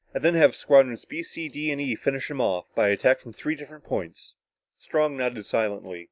And then have Squadrons B, C, D and E finish him off, by attack from three different points." Strong nodded silently.